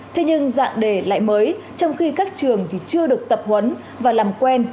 thế nhưng dạng đề lại mới trong khi các trường thì chưa được tập huấn và làm quen